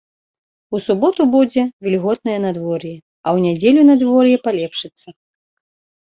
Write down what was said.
У суботу будзе вільготнае надвор'е, а ў нядзелю надвор'е палепшыцца.